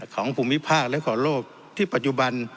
ของภูมิภาคและของโลกที่ปัจจุบัน